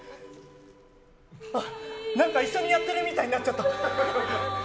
一緒にやってるみたいになっちゃった。